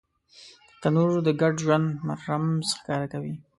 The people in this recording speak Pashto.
تنور د ګډ ژوند رمز ښکاره کوي